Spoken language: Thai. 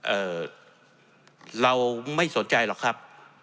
เอ่อเราไม่สนใจหรอกครับ